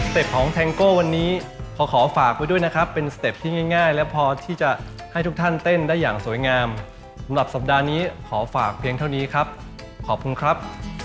ของแทงโก้วันนี้ขอขอฝากไว้ด้วยนะครับเป็นสเต็ปที่ง่ายและพอที่จะให้ทุกท่านเต้นได้อย่างสวยงามสำหรับสัปดาห์นี้ขอฝากเพียงเท่านี้ครับขอบคุณครับ